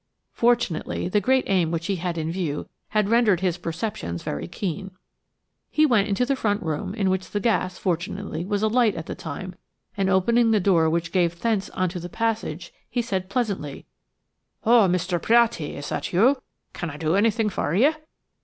Fortunately, the great aim which he had in view had rendered his perceptions very keen. He went into the front room, in which the gas, fortunately, was alight at the time, and opening the door which gave thence on to the passage, he said pleasantly: "Oh, Mr. Piatti! is that you? Can I do any thing for you?"